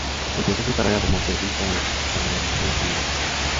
Empezó su carrera como periodista en Panamericana Televisión.